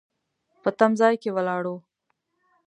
په تم ځای کې ولاړ و.